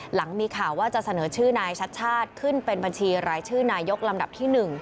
หลังมีข่าวว่าจะเสนอชื่อนายชัดชาติขึ้นเป็นบัญชีรายชื่อนายกลำดับที่๑